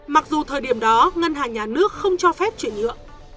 mặc dù thời điểm đó ngân hàng nhà nước không cho phép chuyển nhượng